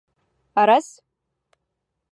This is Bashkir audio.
Раз!